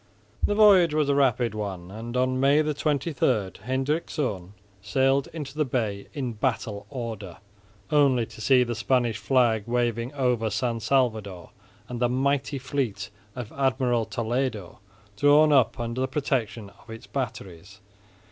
The voyage was a rapid one and on May 23, Hendrikszoon sailed into the bay in battle order, only to see the Spanish flag waving over San Salvador and the mighty fleet of Admiral Toledo drawn up under the protection of its batteries.